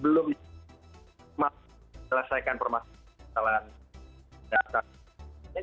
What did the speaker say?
belum diselesaikan permasalahan data